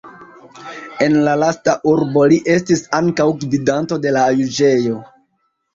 En la lasta urbo li estis ankaŭ gvidanto de la juĝejo.